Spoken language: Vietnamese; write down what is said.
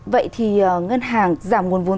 vậy thì ngân hàng giảm nguồn vốn